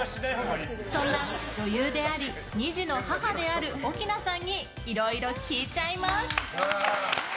そんな女優であり２児の母である奥菜さんにいろいろ聞いちゃいます！